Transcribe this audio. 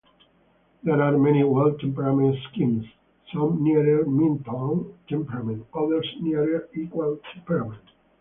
There are many well temperament schemes, some nearer meantone temperament, others nearer equal temperament.